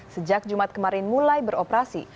sejak jumat kemarin mulai beroperasi